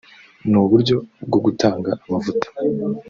n uburyo bwo gutanga amavuta